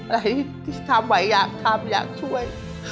อะไรที่ทำไหวอยากทำอยากช่วย